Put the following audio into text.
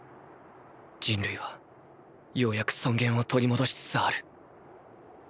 人類はようやく尊厳を取り戻しつつある。